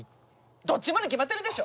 どっちもに決まってるでしょ！